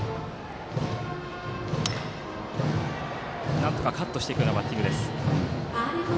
なんとかカットしていくようなバッティング。